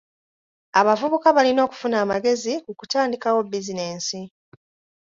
Abavubuka balina okufuna amagezi ku kutandikawo bizinensi.